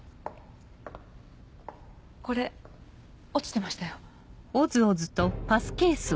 これ落ちてましたよ。